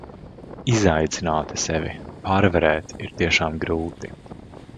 Izaicināt sevi pārvarēt ir tiešām grūti.